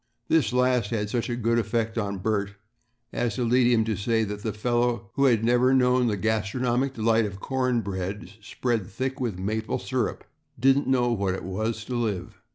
This last had such a good effect on Bert as to lead him to say that the fellow who had never known the gastronomic delight of corn bread spread thick with maple syrup didn't know what it was to live.